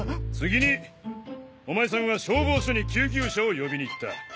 次にお前さんは消防署に救急車を呼びに行った。